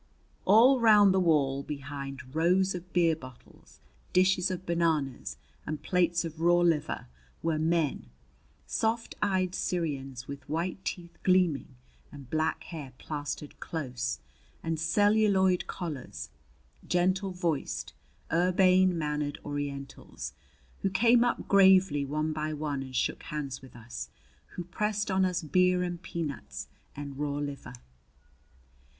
All round the wall, behind rows of beer bottles, dishes of bananas, and plates of raw liver, were men, soft eyed Syrians with white teeth gleaming and black hair plastered close and celluloid collars, gentle voiced, urbane mannered Orientals, who came up gravely one by one and shook hands with us; who pressed on us beer and peanuts and raw liver.